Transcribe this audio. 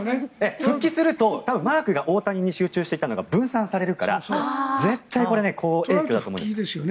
復帰するとマークが大谷に集中していたのが分散されるから絶対にいいと思うんです。